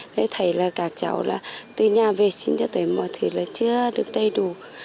thầy thấy là các cháu từ nhà vệ sinh cho tới mọi thứ là chưa được đầy đủ